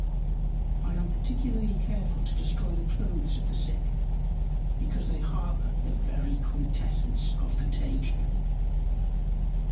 I am particularly careful to destroy the Cloaths of the Sick, because they Harbour the very Quintessence of Contagion.